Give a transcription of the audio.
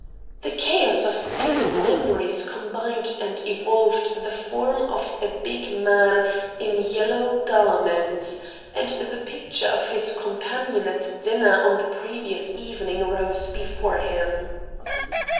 The chaos of scattered memories combined and evolved the form of a big man in yellow garments, and the picture of his companion at dinner on the previous evening rose before him.